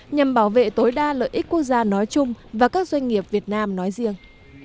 nhằm bảo vệ tối đa lợi ích quốc gia nói chung và các doanh nghiệp việt nam nói riêng